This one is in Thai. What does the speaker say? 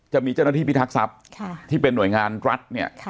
จะมีเจ้าหน้าที่พิทักษัพที่เป็นหน่วยงานรัฐเนี่ย